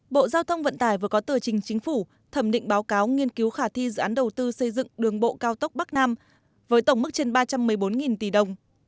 bộ giao thông vận tải vừa có tờ trình chính phủ thẩm định báo cáo nghiên cứu khả thi dự án đầu tư xây dựng đường bộ cao tốc bắc nam với tổng mức trên ba trăm một mươi bốn tỷ đồng